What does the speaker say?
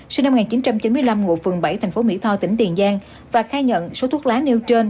sinh năm một nghìn chín trăm chín mươi năm ngụ phường bảy thành phố mỹ tho tỉnh tiền giang và khai nhận số thuốc lá nêu trên